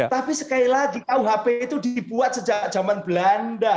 tapi sekali lagi kuhp itu dibuat sejak zaman belanda